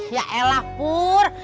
ya elah pur